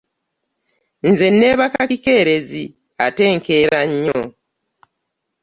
Nze nneebaka kikeerezi ate nkeera nnyo.